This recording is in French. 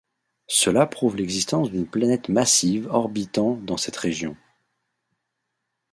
Cela prouve l'existence d'une planète massive orbitant dans cette région.